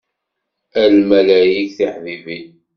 A lmalayek tiḥbibin.